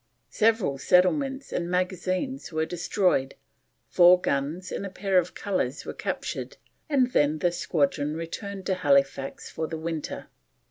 Several settlements and magazines were destroyed, four guns and a pair of colours were captured, and then the squadron returned to Halifax for the winter.